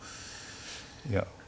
いや。